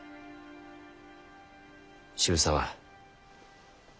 渋沢